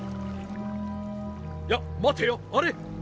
いや待てよあれ！